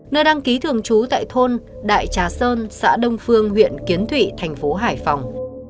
nơi đăng ký thường trú tại thôn đại trà sơn xã đông phương huyện kiến thụy thành phố hải phòng